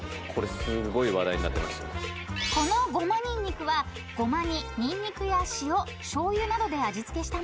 ［このごまにんにくはゴマにニンニクや塩しょうゆなどで味付けしたもの］